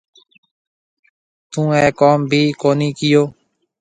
ٿونه اَي ڪوم ڀِي ڪونِي ڪيو۔